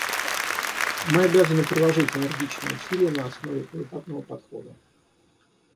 Мы обязаны приложить энергичные усилия на основе поэтапного подхода.